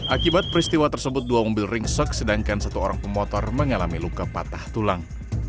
akibat peristiwa tersebut dua mobil ringsek sedangkan satu orang pemotor mengalami luka patah tulang